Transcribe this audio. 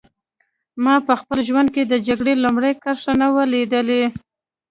ما په خپل ژوند کې د جګړې لومړۍ کرښه نه وه لیدلې